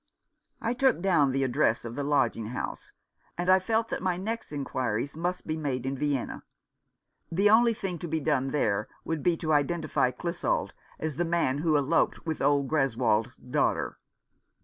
I took down the address of the lodging house, and I felt that my next inquiries must be made in Vienna. The only thing to be done there would be to identify Clissold as the man who eloped with old Greswold's daughter.